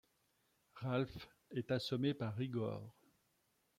Ralf est assommé par Igor.